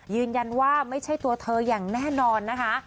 ยืนยันว่าไม่ใช่ตัวเธออย่างแน่นอนนะคะ